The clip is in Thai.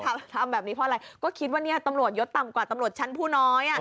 ทำแบบนี้เพราะอะไรก็คิดว่าเนี่ยตำรวจยศต่ำกว่าตำรวจชั้นผู้น้อย